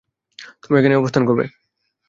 তুমি এখানেই অবস্থান করবে।